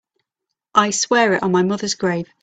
I swear it on my mother's grave.